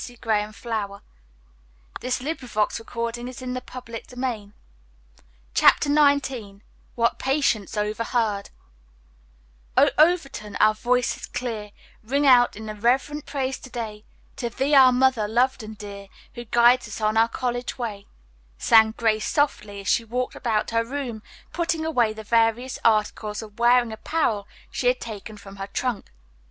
Elfreda Briggs will not be the one to pry into the surprise." CHAPTER XIX WHAT PATIENCE OVERHEARD "Oh, Overton, our voices clear Ring out in reverent praise to day, To thee, our Mother, loved and dear Who guides us on our college way," sang Grace softly as she walked about her room putting away the various articles of wearing apparel she had taken from her trunk.